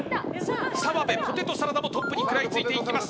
澤部ポテトサラダもトップに食らいついていきます。